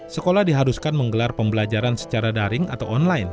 sekolah diharuskan menggelar pembelajaran secara daring atau online